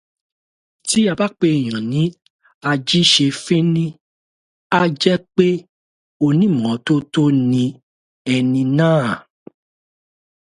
Tí a bá pè èèyàn ní Ajíṣefínní, á jẹ́ pé onímọ̀ọ́tótó ni ẹni náà